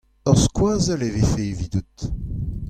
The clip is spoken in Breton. Ur skoazell e vefe evidout.